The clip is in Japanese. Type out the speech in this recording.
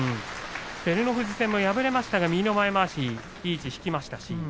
照ノ富士戦も敗れましたが、右の前まわしいい位置を引きましたし。